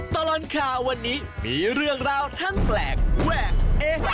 ตลอดข่าววันนี้มีเรื่องราวทั้งแปลกแวกเอ